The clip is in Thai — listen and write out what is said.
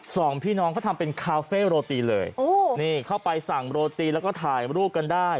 สองพี่น้องเขาทำเป็นคาเฟ่โรตีเลยโอ้นี่เข้าไปสั่งโรตีแล้วก็ถ่ายรูปกันได้